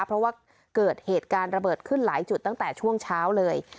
เพราะว่าเกิดเหตุการณ์ระเบิดขึ้นหลายจุดตั้งแต่ช่วงเช้าเลย